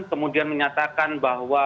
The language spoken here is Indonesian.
kemudian menyatakan bahwa